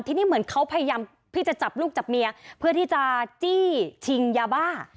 ทีนี้เหมือนเขาพยายามที่จะจับลูกจับเมียเพื่อที่จะจี้ชิงยาบ้า